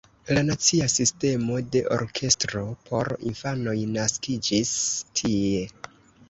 La nacia sistemo de orkestro por infanoj naskiĝis tie.